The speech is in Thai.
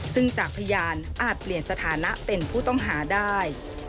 ซึ่งจากพยานอาจเปลี่ยนสถานะเป็นผู้ต้องหาได้